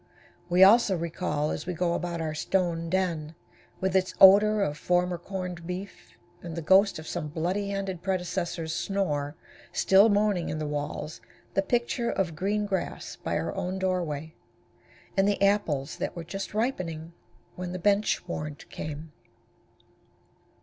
We also recall as we go about our stone den, with its odor of former corned beef, and the ghost of some bloody handed predecessor's snore still moaning in the walls, the picture of green grass by our own doorway, and the apples that were just ripening, when the bench warrant came.